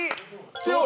強い。